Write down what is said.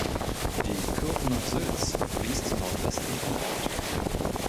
Die Kürtener Sülz fließt nordwestlich vom Ort.